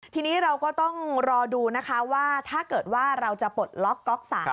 ทีนี้เราก็ต้องรอดูนะคะว่าถ้าเกิดว่าเราจะปลดล็อกก๊อก๓